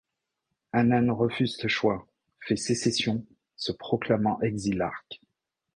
Anan refuse ce choix, fait sécession, se proclamant exilarque.